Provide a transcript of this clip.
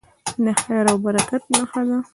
د خیر او برکت نښه ده.